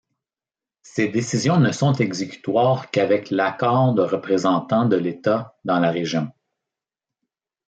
Ses décisions ne sont exécutoires qu'avec l'accord de représentant de l'Etat dans la région.